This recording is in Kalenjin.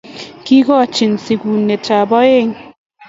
Kigonech sigunetab aeng